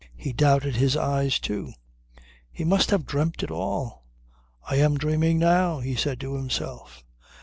He doubted his eyes too. He must have dreamt it all! "I am dreaming now," he said to himself.